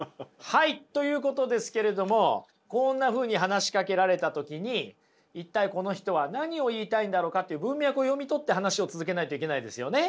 はいということですけれどもこんなふうに話しかけられた時に一体この人は何を言いたいんだろうかっていう文脈を読み取って話を続けないといけないですよね。